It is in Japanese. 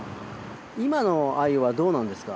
今の鮎はどうなんですか？